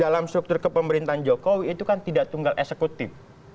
dalam struktur kepemerintahan jokowi itu kan tidak tunggal eksekutif